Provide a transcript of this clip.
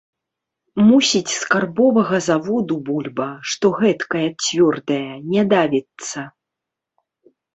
Мусіць, скарбовага заводу бульба, што гэткая цвёрдая, не давіцца.